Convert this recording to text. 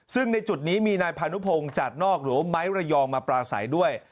ซึ่งในจุดนี้มีนายพานุพงศ์จัดนอกหรือว่าไม้ระยองมาปลาใสด้วย